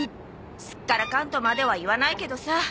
すっからかんとまでは言わないけどさ。